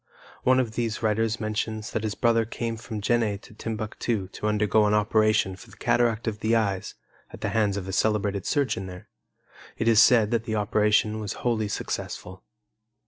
One of these writers mentions that his brother came from Jenne to Timbuctu to undergo an operation for cataract of the eyes at the hands of a celebrated surgeon there. It is said that the operation was wholly successful.